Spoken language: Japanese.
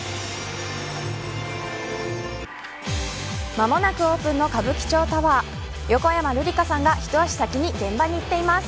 間もなくオープンの歌舞伎町タワー横山ルリカさんが一足先に現場に行っています。